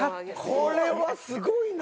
これはすごいな。